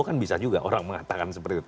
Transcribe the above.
kan bisa juga orang mengatakan seperti itu